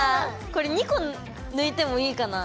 これ２個抜いてもいいかな。